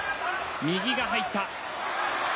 右が入った。